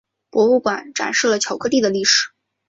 博物馆展示了巧克力的历史。